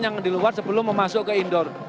yang di luar sebelum masuk ke indoor